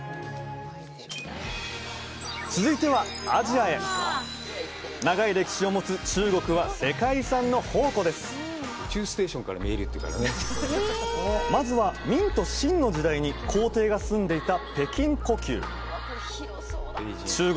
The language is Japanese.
続いてはアジアへ長い歴史を持つ中国は世界遺産の宝庫ですまずは明と清の時代に皇帝が住んでいた北京故宮中国